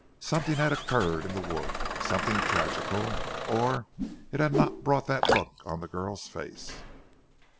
Something had occurred in the wood, something tragical, or it had not brought that look on the girl's face.